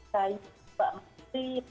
sayang mbak masih